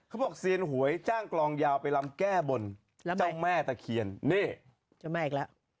มีชาวประจำที่เกิดมามาก